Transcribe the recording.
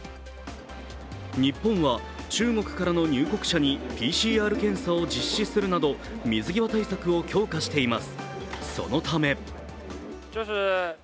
日本は、中国からの入国者にＰＣＲ検査を実施するなど水際対策を強化しています。